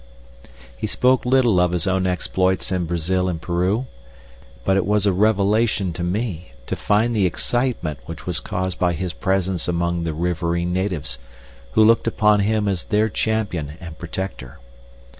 He spoke little of his own exploits in Brazil and Peru, but it was a revelation to me to find the excitement which was caused by his presence among the riverine natives, who looked upon him as their champion and protector.